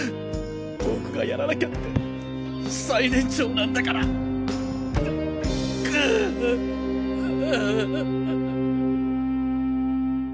僕がやらなきゃって最年長なんだからううう。